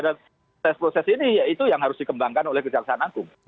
dan proses ini ya itu yang harus dikembangkan oleh kejaksaan agung